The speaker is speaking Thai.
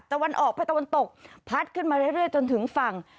ตะวันออกไปตะวันตกพัดขึ้นมาเรื่อยจนถึงฝั่ง